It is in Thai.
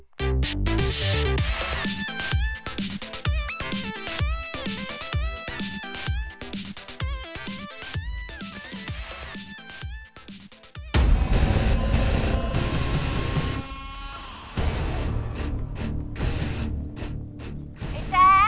ไขว้ขาไขว้ขาไขว้ขา